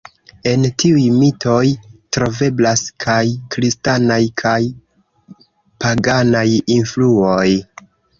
En tiuj mitoj troveblas kaj kristanaj kaj paganaj influoj.